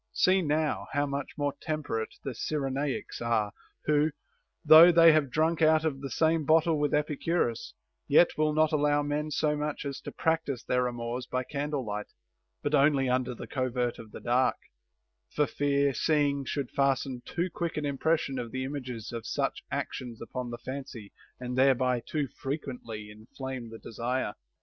See now how much more temperate the Cyrenaics are, who, though they have drunk out of the same bottle with Epicurus, yet will not allow men so much as to practise their amours by candle light, but only under the covert of the dark, for fear seeing should fasten too quick an impression of the images of such actions upon the fancy and thereby too frequently inflame the desire.